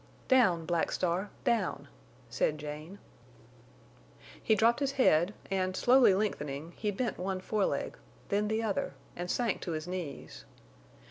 "Down, Black Star, down," said Jane. He dropped his head, and, slowly lengthening, he bent one foreleg, then the other, and sank to his knees.